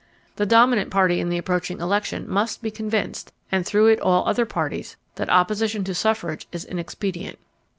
The dominant party in the approaching election must be convinced, and through it all other parties, that opposition to suffrage is inexpedient.